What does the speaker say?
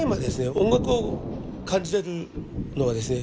音楽を感じれるのはですね